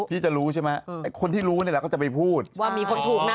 พี่จะรู้ใช่ไหมไอ้คนที่รู้นี่แหละก็จะไปพูดว่ามีคนถูกนะ